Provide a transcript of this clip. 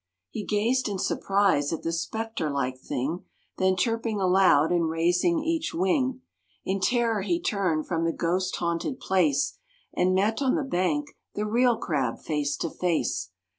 He gazed in surprise at the specter like thing, Then chirping aloud and raising each wing, In terror he turned from the ghost haunted place And met on the bank the real crab face to face.